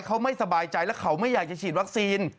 เขาไม่สบายใจแล้วเขาไม่อยากจะฉีดวัคซีน